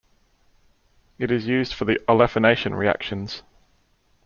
It is used for the "olefination" reactions.